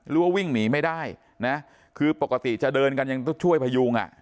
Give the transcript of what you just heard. ว่าวิ่งหนีไม่ได้นะคือปกติจะเดินกันยังต้องช่วยพยุงอ่ะ